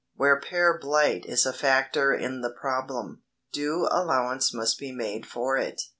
Where pear blight is a factor in the problem, due allowance must be made for it.